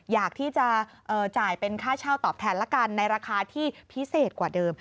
อยากที่จะจ่ายเป็นค่าเช่าตอบแทนละกันในราคาที่พิเศษกว่าเดิม